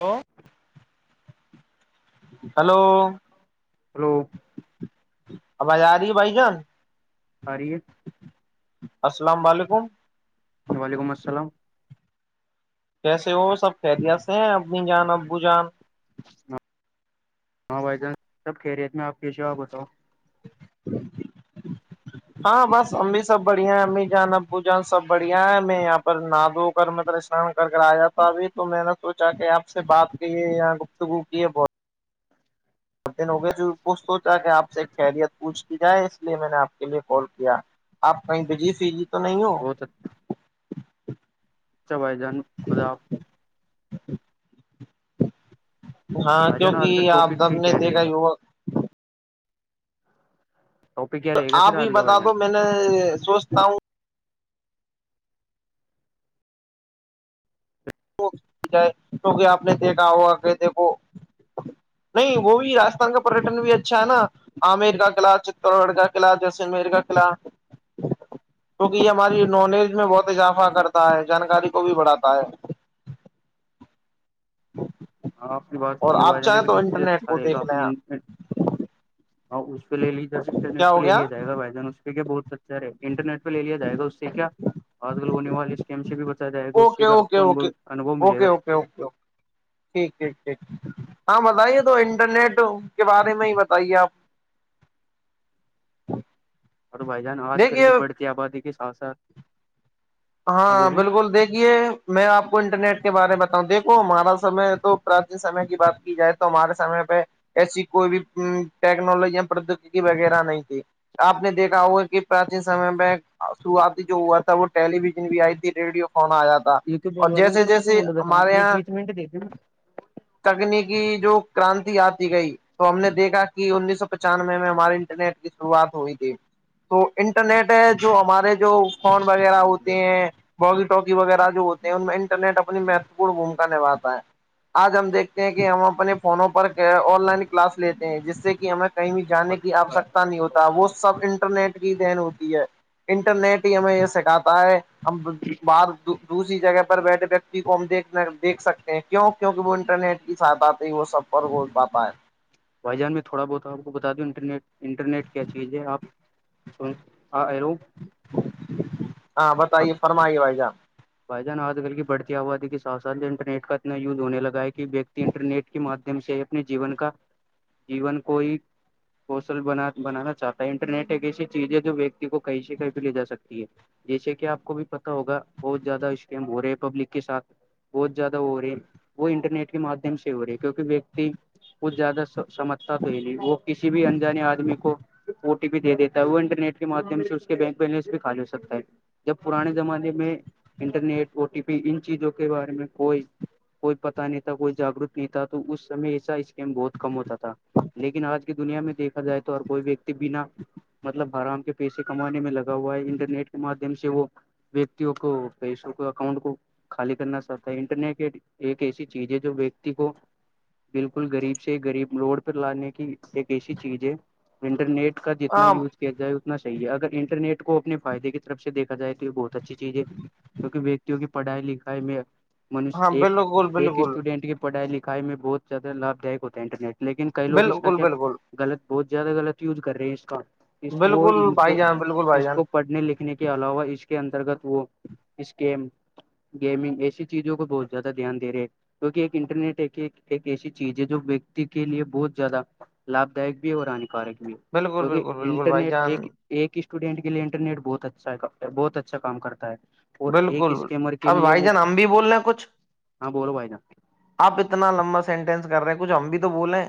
hello hello hello آواز آ رہی ہے بھائی جان آ رہی ہے السلام و علیکم وعلیکم السلام کیسے ہو سب خیریت سے ہیں امی جان ابو جان ہاں ہاں بھائی جان سب خیریت میں ہے اپ کیسے ہو اپ بتاو [inaudible] ہاں بس امی سب بڑھیا ہے امی جان ابو جان سب بڑھیا ہے میں یہاں پر نہا دھو کر مت اسنان کر کرایا تھا ابھی تو میں نے سوچا کہ آپ سے بات کیے یہاں گفتگو کیے بہت ہوگ جو وہ سوچا کہ آپ سے کیریت پوچ جائے اس لیے میں نے آپ کے لیے کال کیا آپ کہیں بجی فی جی تو نہیں ہو ھم اچھا بھائی جان خدا ہاں بھائی جان آج کا کیونکہ آپ ٹاپک سب پھر نے کیا دیکھا رہے گا یوک ٹاپک کیا تو رہے گا آپ پھر بھی آج کا بتا بھائی دو جان میں نے سوچتا ہوں جائے کیکہ آپ نے دیکھا ہو ا دیکھو نہیں وہ بھی رجستھان کا پریٹن بھی اچھا ہے نا عامیر کا قلعہ چت گڑھ کا قلعہ جیسلمیر کا قلعہ کیونکہ یہ ہماری نالج میں بہت اضافہ کرتا ہے جانکاری کو بھی بڑھاتا ہے [inaudible] [inaudible] ہاں آپ کی بات اور صحی ہے ہو با آپ ج چاہیں لیکن تو اس سے انٹرنیٹ اچھا کو رہے دیکھ گا اپ لیں ہاں اس پہ لے لیج جس کیا انٹرنیٹ پہ ہو لے گیا لیا جائے گا بھائی جان اس بہت اچھا رہے انٹرنیٹ پہ لے لیا جائے گا اس سے کیا آج کل ہونے والے ہم سے بھی بتا جائے گا اس اوکے سے بھی آپ اوکے کو اوکے انھ اوکے ملےا اوکے اوکے ٹھیک ٹھیک ٹھیک ہاں بتائیے تو انٹرنیٹ کے بارے میں ہی بتائیے آپ اور بھائی جان آج کل کی دیکھیے بڑھتی آبادی کے ساتھ ساتھ ہاں بالکل دیکھیے میں آپ کو انٹرنیٹ کے بارے میں بتاؤں دیکو ہمارا سمے تو پراچین سمے کی بات کی جائے تو ہمارے سے پہ ایسی کوئی بھی ٹیکنالوجی یا پرودیگی وغیرہ نہیں تھی آپ نے دیکھا ہوگا کہ پراچیین سمے میں شروعاتی جو ہوا تھا وہ ٹیلی ویژن بھی آئی تھی ریڈیو فنا آیا تھا یوٹیوب اور بولوا دین جیسے کر م جیسے منڈ دیکھا ہمارے بیچ یہاں بیچ منٹ دیکھ تکنیکی جو کرانتی آتی گئی تو ہم نے دیکھا کہ انیس سو پچانوے میں ہمارے انٹرنیٹ کی شروعات ہوئی تھی تو انٹرنیٹ ہے جو ہمارے جو فون وغیرہ ہوتے ہیں بگی ٹوکی وغیرہ جو ہوتے ہیں ان میں انٹرنیٹ اپنی مہتوپورن بھومکا نبھاتا ہے آج ہم دیکھتے ہیں کہ ہم اپنے فونوں پر آن لائن کلاس لیتے ہیں جس سے کہ ہمیں کہیں بھی جانے کی آوشکتا نہیں ہوتی وہ سب انٹرنیٹ کی دہن ہوتی ہے انٹرنیٹ ہی ہمیں یہ سکھاتا ہے ہم باہر دوسری جگہ پر بیٹھے بیٹھے دیک دیکھ سکتے ہیں کیوں کیوںک وہ انٹرنیٹ کی سہاتا وہ سفر ہو پاتا ہے بھائی جان میں تھوڑا بہت آپ کو بتا دوں انٹرنیٹ انٹرنیٹ کیا چیز ہے آپ سن ہاں ہیلو ہاں آپ بتائیے فرمائیے بھائی جان بھائی جان آج کل کی بڑتی آبادی کے ساتھ سھ جو انرنیٹ کا اتنا وز ہو لگا ہے کہ انٹرنیٹ کے مادھیم سے اپنے جیون کا جیون کوئی کوسل بنا بنانا چاہتا ہے انٹرنیٹ ایک ایسی چیز ہے جو ویکتی کو کہیں سے کہیں بھی لے جا سکتی ہے جیسے کہ آپ کو بھی پتتا ہوگا بہت زیادہ اسکیم ہو رہے ہیں پبلک کے ساتھ بہت زیادہ ہو رہی وہ انٹرنیٹ کے مادھیم سے ہو رہی ہے کیونکہ ویکتی بت زیادہ سمجھتا تو ہی نہیں وہ کسی بھی انجانے آدمی کو بھی دے دیتا ہے وہ انٹرنیٹ کے مادھیم سے اس کے بینک بیلینس بھی خال ہو سکتا ہے جب پرانے زمانے میں انٹرنیٹ او ٹی پی ان چیزوں کے بارے میں کوئی کوئی پتا نہیں تھا کوئی جاگروک نہیں تھا تو اس سمے ایسا اسکیم بہت کم ہوتا تھا لیکن آج کی دنیا میں دیکھا جائے تو اور کوئی بھی بنا مطلب آرام کے پیسے کمانے میں لگا ہوا ہے انٹرنیٹ کے مادھیم سے وہ وتی کو فیسک اکؤنٹ کو خالی کرنا سکتا ہے انٹرنیٹ ایک ایسی چیز ہے جو ویکتی کو بالکل غریب سے غریب لوڑ پہ لانے کی ایک ایسی چیز ہے انٹرنیٹ کا جتنا ہاں یوز کیا جائے اتنا صحیح ہے اگر انٹرنیٹ کو اپنے فائدے کے طرف سے دیکھا جائے تو یہ بہت اچھی چیز ہے کی کہ ویکتی کی پڑھائی لکھائی میں منش ہاں ایک بالکل ایک بالکل اسٹوڈینٹ کی پڑھائی لکھائی میں بہت زیادہ لابھ دائک ہوتا ہے انٹرنیٹ لیکن کئی لوگ اس کا بالکل کیا بالکل غلط بہت زیادہ غلط یوز کر رہے ہیں اس کا اس وہ بالکل ان بھائی کو جان بالکل بھائی اس جان کو پڑھنے لکھنے کے کے علاوہ اس کے انترگت وہ اسکم گیمنگ ایسی چیزوں کو بہت زیادہ دھیان دے ہیں [unintelligible] کیونکہ ایک انٹرنیٹ ایک ایک ایسی چیز ہے جو ویکتی کے لیے بہت زیادہ لابھ دائک بھی اور ہانیکارک بھی ہے بالکل کیونکہ بالکل بالکل بھائی انٹرنیٹ جان ایک ایک اسٹوڈینٹ کے لیے انٹرنیٹ بہت اچھا ہے بہت اچھا کام کرتا ہے اور ایک بالکل اسکیمر کے اب لیے بھائی وہ جان ہم بھی بول رہے ہیں کچھ ہاں بولو بھائی جان آپ اتنا لمبا سینٹینس کر رہے ہیں کچھ ہم بھی تو بولولے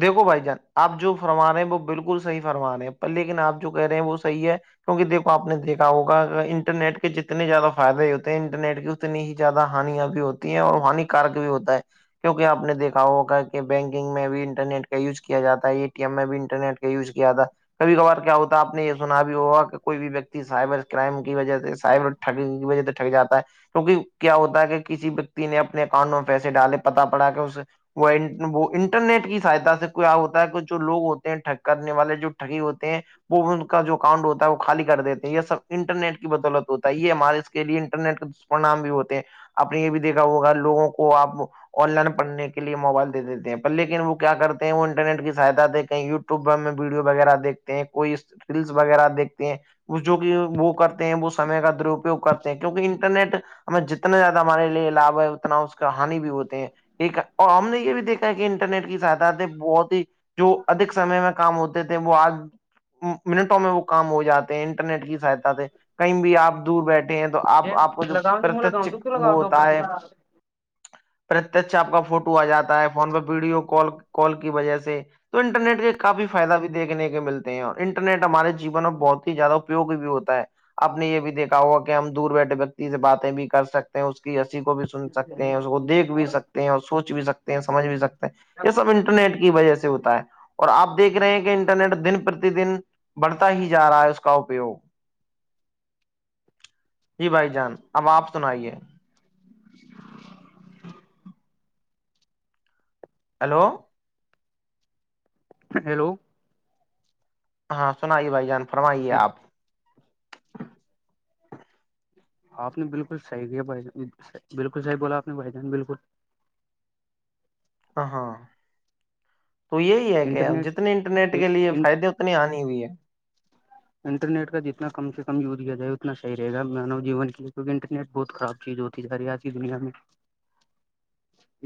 دیکھو بھائی جان آپ جو فرما رہے ہیں وہ بالکل صح فرما رہے ہیں لیکن آپ جو کہہ رہے ہیں وہ صح ہے کیونکہ دیکھو آپ نے دیکھا ہوگا انٹرنیٹ کے جتنے زیادہ فائدے ہوتے ہیں انٹرنیٹ کی اتنی ہی زیادہ ہانیاں بھی ہوتی ہیں اور ہانیکارک بھی ہوتا ہے کیوںکہ آپ نےیکھا ہوگا کہ بینکنگ میں بھی انٹرنیٹ کا یوز کیا جاتا ہے ا ٹی ایم میں بھی انٹرنیٹ یوز کیا تھا کبھی کبھار کیا ہوتا آپ نے یہ سنا بھی ہوگا کہ کوئی بھی ویکتی سائبر کرائم کی وجہ سے سائبر ٹگ کی وجہ سے ٹھگ جاتا ہے کیونکہ کیا ہوتا ہے کہ کسی وکتی نے اپنے اکاؤنٹ میں پیسے ڈالے پتا پڑا کہ اس وہ وہ انٹرنیٹ کی سہاتا سے کوئی کیا ہوتا ہے کہ جو لوگ ہوتے ہیں ٹھگ کرنے والے جو ٹگی ہوتے ہیں وہ ان کا جو اکاؤنٹ ہوتا ہے وہ خالی کر دیتے ہیں یہ سب انٹرنیٹ کی بدولت ہوتا ہے یہ ہمارے اس کے لیے انٹرنیٹ کے دشپرنام بھی ہوتے ہیں آپ نے یہ بھی دھا ہوگا لوگوں کو آپ آن لائن پڑھنے کے لیے موبائل د دیتے ہیں پر لیکن وہ کیا کرتے ہیں وہ انٹرنیٹ کی سہاتا دیں کہیں یوب [unintelligible] وب ویڈیو وغیرہ دیکھتے ہیں کوئی ریلس وغیرہ دیکھتے ہیں جو کہ وہ کرتے ہیں وہ سمے کا درپیوگ کرتے ہیں کیونکہ انٹرنیٹ ہمیں جتنا زیادہ ہمارے لیے لابھ ہے اتنا اس کا ہانی بھی ہوتے ہیں ایک ہے اور ہم نے یہ بھی دیکھا ہے کہ انٹرنیٹ کی ساتھات بہت ہی جو ادھک سمے میں کام ہوتے تھے وہ آج منٹوں میں وہ کام ہو جاتے ہیں انٹرنیٹ کی سہایتا تھے کہیں بھی آپ دور بیٹھے ہیں تو آپ آپ کو جو لگاؤ ت م پرتچ لگاؤں تو وہ لگاؤ ڈاکٹر ہوتا ہے پرتچ آپ کا فوٹو آ جاتا ہے فون پہ ویڈیو کال کال کی وجہ سے تو انٹرنیٹ کے کافی فائد بھی دیکنے کے ملتے ہیں اور انٹرنیٹ ہمارے جیون میں بہت ہی زیادہ اپپوگ بھی ہوتا ہے آپ نے یہ بھی دیکھا ہوا کہ ہم دور بیٹھے ویکتی سے باتیں بھی کر سکتے اس کی رسی کو بھی سن سکتے ہیں اس کو دیکھ بھی سکتے ہیں اور سوچ بھی سکتے ہیں سمجھ بھی سکتے یہ سب انٹرنیٹ کی وجہ سے ہوتا ہے اور آپ دیکھ رہے ہیں کہ انٹرنیٹ دن پرتی دن بڑھتا ہی جا رہا ہے اس کا اپوگ [unintelligible] جی بھائی جان اب آپ سنائیے [inaudible] ہیلو ہیلو ہاں سنائیے بھائی جان فرمائیے آپ آپ نے بالکل صحیح کیا بھائی جان بالکل صحیح بولا آپ نے بھائی جان بالکل ہاں ہاں تو یہی ہے کہ جتنے انٹرنیٹ کے لیے فائدے اپنی آنی بھیئی ہے [unintelligible] انٹرنیٹ کا جتنا کم سے کم یوز کیا جائے اتنا صحیح رہےا مانو جیون کےے کیکہ انٹرنیٹ بہت خراب چیز ہوتی ج رہی آج کی دنیا میں [unintelligible] [inaudible]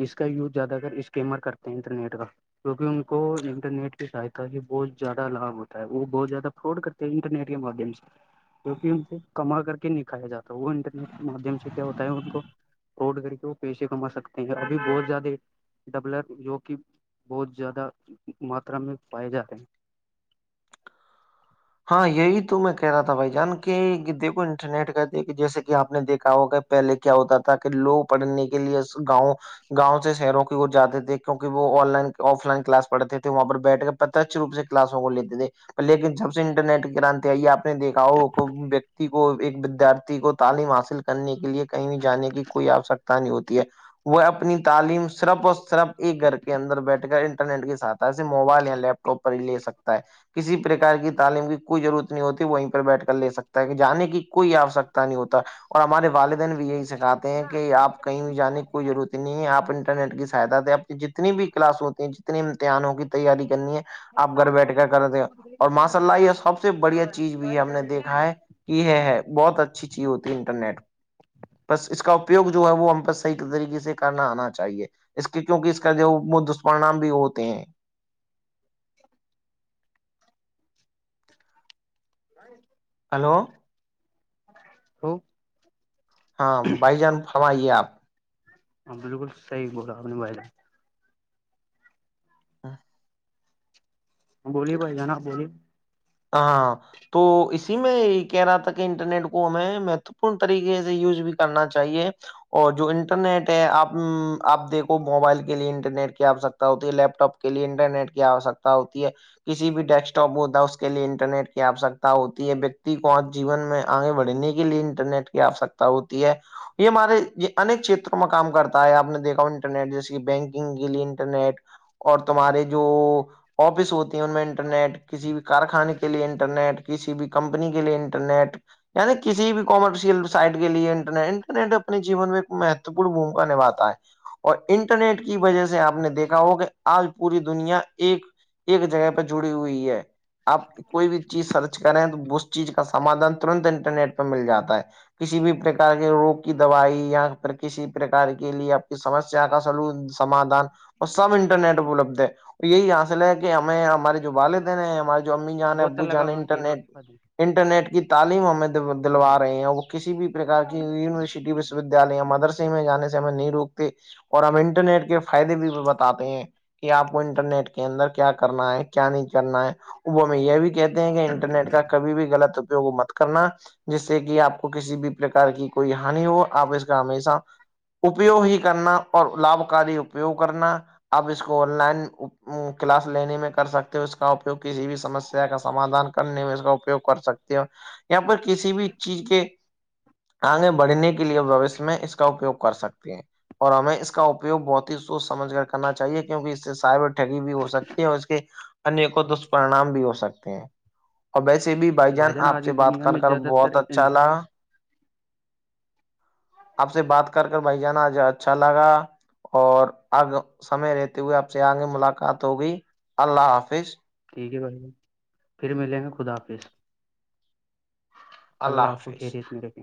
اس کا یوز زیادہ کر اسکیمر کرتے ہیں انٹرنیٹ کا کیہ ان کو انٹرنیٹ کی سہاتا ہی بہت زیادہ لابھ ہوتا ہے وہ بہت زیادہ فراڈ کر تو انٹرنیٹ کے مم [unintelligible] جو کہ ان سے کما کر کے نکھایا جاتا ہے وہ انٹرنیٹ کے مادھیم سے کیا ہوتا ہے ان کو توٹ کر کے وہ پیسے کما سکتے ہیں ابھی بہت زیادہ ڈبلر جو کہ بہت زیادہ ماترا میں پائے جاتے ہیں ہاں یہی تو میں کہہ رہا تھا بھائی جان کے دیکھو انٹرنیٹ کہ د جیسے کہ آپ نے دیکھا ہوگا پہلے کیا ہوتا تھا کہ لوگ پڑھنے کے لیے گاؤں [unintelligible] گاؤں سے شہروں کی وہ جاتے تھے کیک وہ online offline class پڑھتے تھے وہاں پر بیٹھ کر پرترچھ روپ سے کلاسوں کو لیتے تھے لیکن جب انٹرنیٹ کے کرانتے آئیے آپ نے دیکھا ہو ویکتی کو ایک ودارتھی کو تعلیم حاصل کرنے کے لیے کہیں بھی جانے کی کوئی آوشکتا نہیں ہوتی ہے وہ اپنی تعلیم صرف اور صرف ایک گھر کے اندر بیٹھ کر ان نٹ کے ساتھ سے موبائل یا لیپٹاپ پر ہی لے سکتا ہے کسی پرکار کی تعلیم کی کوئی ضرورت نہیں ہوتی وہ وہیں پرہ بیٹھ کر لے سکتا ہے کہ جان کی کوئی آوشکتا نہیں ہوتا اور ہمارے والدین بھی یہی سکھاتے ہیں کہ آپ کہیں بھی جانے کی کوئی ضرورت نہیں ہے آپ انٹرنیٹ کی سہایتا دیں آ جتنی بھی کلاس ہوتی ہیں جتنی تان ہو کی تیاری کرنی ہے [unintelligible] یہ گھر سات بیٹھ چالی کر با کر دیں اور ماشاء [unintelligible] اللہ یہ سب سے بڑھیا چیز بھی ہے ہم نے دیکھا ہے کہ ہے ہے بہت اچھی چیز ہوتی ہے انٹرنیٹ [unintelligible] بس اس کا اپیوگ جو ہے وہ ہم پر صحی طریقے سے کرنا آنا چاہیے اس کے کیونکہ اس کا جو دشپرنام بھی ہوتے ہیں [inaudible] [inaudible] ہلو ہو [inaudible] ہاں بھائی جان فرمائیے آپ ہاں بالکل صحیح بولا آپ نے بھائی ہاں [inaudible] بولیے بھائی جناب بولیے [inaudible] ہاں [inaudible] تو اسی میں کہہ رہا تھا کہ انٹرنیٹ کو ہمیں مہتوپورن طریقے سے یوز بھی کرنا چاہیے اور جو انٹرنیٹ ہے آپ آپ دیکھو موبائل کے لیے انٹرنیٹ کیا آپ سک ہوتی ہے لیپ ٹاپ کے لیے انٹرنیٹ کی آوشکتا ہوتی ہے کسی بھی ڈیسکٹاپ میں ہوتا ہے اس کے کے لیے انٹرنیٹ کی آوشکتا ہوتی ہے ویکتی کو آج جیون میں آگے بڑھنے کے لیے انٹرنیٹ کی آوشکتا [unintelligible] ہوتی ہے [inaudible] یہ ہمارے انک چھیتروں میں کام کرتا ہے آپ نے دیکھا انٹرنیٹ جیسے کہ بینکنگ کے لیے انٹرنیٹ اور تمہارے جو آفس ہوتی ہیں ان میں انٹرنیٹ کسی بھی کارخانے کے لیے انٹرنیٹ کسی بھی کمپنی کے لیے انٹرنیٹ یعنی کسی بھی کامرشل سائٹ کے لیے انٹرنیٹ انٹرنیٹ اپنی جین میں ایک مہتوپورن بھومکا نبھاتا ہے اور انٹرنیٹ کی وجہ سے آپ نے دیکھا ہو کہ آج پوری دنیا ایک ایک جگہ پہ جڑی ہوئی ہے آپ کوئی بھی چیز سرچ کریں تو اس چیز کا سمادھان ترنت انٹرنیٹ پہ مل جاتا ہے کسی بھی پرک کے روگ کی دوائی یا پ کسی پرک کے لیے آپ کی سمس [unintelligible] آ کاا سلو سمادھان [unintelligible] اور سب انٹرنیٹ اپلبدھ ہے اور یہی حاصل ہے کہ ہمیں ہمارے جو والدین ہیں ہمارے [unintelligible] امی جانے بوتل ابو لگا جانے ہوا کہ انٹرنیٹ روٹی کھا انٹرنیٹ کی تعلیم ہمیں دیں دلوا رہی ہیں وہ کسی بھی پرک کی یونیورسٹی وشو ودیال یا مدرس میں جان سے ہمیں نہیں روکتے اور ہم انٹرنیٹ کے فائدے بھی بتاتے ہیں کہ آپ کو انٹرنیٹ کے اندر کیا کرنا ہے کیا نہیں کرنا ہے وہ ہم یہ بھی کہتے ہیں کہ انٹرنیٹ کا کبھی بھی غلط کو مت کرنا جس سے کہ آپ کو کسی بھی پرکار کی کوئی ہانی ہو آپ اس کا ہمیشہ اپیوگ ہی کرنا اور لابھکاری اپیوگ کرنا آپ اس کو آن لائن کلاس لینے میں کر سکتے ہو اس کا اپیوگ کسی بھی سمسیا کا سمادھان کرنے میں اس کا اپیوگ کر سکتے ہو یا پر کسی بھی چیز کے آگے بڑھنے کے لیے بوشیہ میں اس کا اپیوگ کر سکتے ہیں اور ہمیں اس کا اپیوگ بہت ہی سوچ سمج کر کرنا چاہیے کیونکہ اس سے سائبر ٹگی بھی ہو سکتی ہے اور اس کے انیکوں دشپرنام بھی ہو سکتے ہیں اور ویسے بھی بھائی جان بھجن آج آپ سے کی بات دنیا کر میں کر زیادہ تر بہت اچھا لگا آپ سے بات کر کر بھائی جاناج اچھا لگا اور اب سمے لیتے ہوئے آپ سے آئیں گے ملاقات ہوگئی اللہ حافظ ٹھیک ہے بھائی پھر ملیں گا خدا حافظ اللہ آپ کو گھیریت میں رکھے